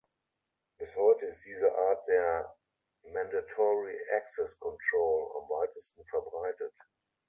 Bis heute ist diese Art der "Mandatory Access Control" am weitesten verbreitet.